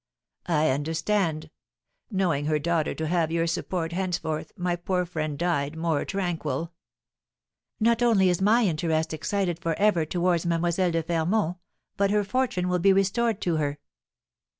"I understand; knowing her daughter to have your support henceforth, my poor friend died more tranquil." "Not only is my interest excited for ever towards Mlle. de Fermont, but her fortune will be restored to her."